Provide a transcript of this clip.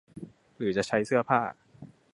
หรือจะใช้เสื้อผ้า